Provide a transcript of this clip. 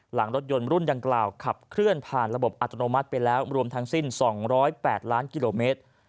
หลังรถยนต์รุ่นดังกล่าวขับเคลื่อนผ่านระบบอัตโนมัติไปแล้วรวมทั้งสิ้น๒๐๘ล้านกิโลเมตร